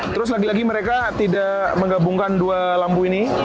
terus lagi lagi mereka tidak menggabungkan dua lampu ini